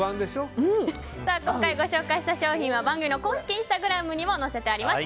今回ご紹介した商品は番組の公式インスタグラムにも載せてあります。